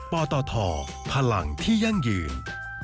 ปตทพลังที่ยั่งยืน